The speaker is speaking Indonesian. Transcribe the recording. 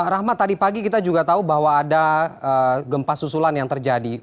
rahmat tadi pagi kita juga tahu bahwa ada gempa susulan yang terjadi